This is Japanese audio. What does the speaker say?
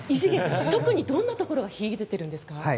特にどんなところが秀でてるんですか。